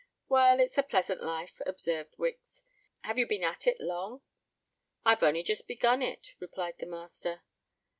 "Well, it's a pleasant life," observed Wicks. "Have you been at it long?" "I've only just begun it," replied the master.